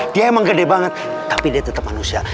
dia emang gede banget tapi dia tetap manusia